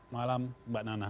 malam mbak nana